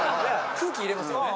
空気入れますよね。